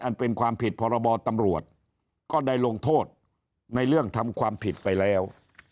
เป็นความผิดพรบตำรวจก็ได้ลงโทษในเรื่องทำความผิดไปแล้ว